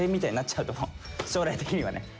将来的にはね。